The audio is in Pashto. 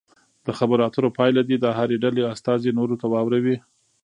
د خبرو اترو پایله دې د هرې ډلې استازي نورو ته واوروي.